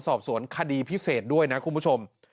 สอบสวนคดีพิเศษด้วยนะคุณผู้ชม